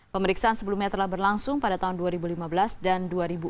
pemeriksaan sebelumnya telah berlangsung pada tahun dua ribu lima belas dan dua ribu empat belas